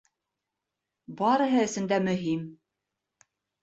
Барыһы өсөн дә мөһим